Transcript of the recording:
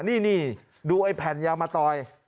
นี่ดูไอ้แผ่นยามะตอย